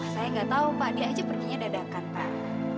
saya nggak tahu pak dia aja perginya dadakan pak